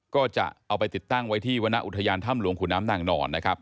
ก็จะเอาไปติดตั้งไว้ที่วรรณอุทยานถ้ำหลวงขุนน้ำนางนอนนะครับ